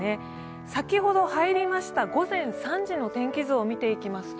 先ほど入りました午前３時の天気図を見ていきますと、